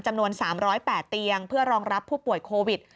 จำนวน๓๐๘เตียงเพื่อรองรับผู้ป่วยโควิด